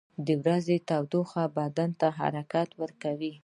• د ورځې تودوخه بدن ته حرکت ورکوي.